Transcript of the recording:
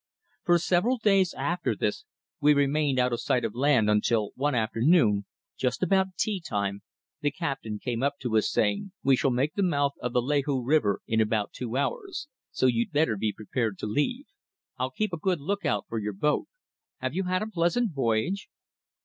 For several days after this we remained out of sight of land until one afternoon, just about tea time, the captain came up to us, saying "We shall make the mouth of the Lahou River in about two hours, so you'd better be prepared to leave. I'll keep a good look out for your boat. Have you had a pleasant voyage?"